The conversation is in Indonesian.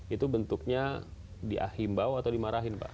itu bentuknya diahimbau atau dimarahin pak